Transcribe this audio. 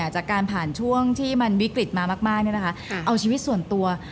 จากการผ่านช่วงที่มันวิกฤตมามากเอาชีวิตส่วนตัว